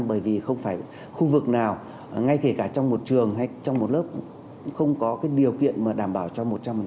bởi vì không phải khu vực nào ngay kể cả trong một trường hay trong một lớp không có cái điều kiện mà đảm bảo cho một trăm linh